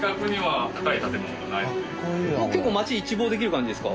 結構町一望できる感じですか？